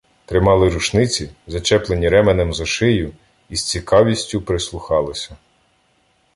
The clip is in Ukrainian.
Тримали рушниці, зачеплені ременем за шию, і з цікавістю прислухалися.